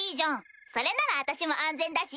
それなら私も安全だし。